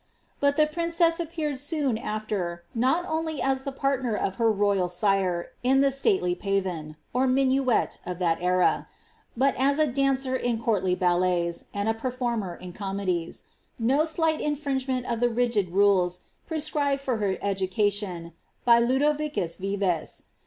Bat the princess appeared soon after, not only as the partner of her royal sire in the stately pavon (or minuet, of that era), but as a dancer in court ballets, and a performer in comedies — no slight infringement of the rigid rules prescribed for her education, by Ludovicus Vives.